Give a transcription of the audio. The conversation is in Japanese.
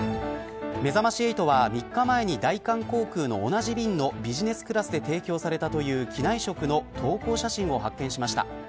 めざまし８は、３日前に大韓航空の同じ便のビジネスクラスで提供されたという機内食の投稿写真を発見しました。